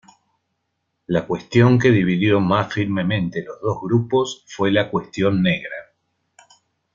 La cuestión que dividió más firmemente los dos grupos fue la "cuestión negra.